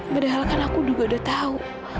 padahal kan aku juga udah tahu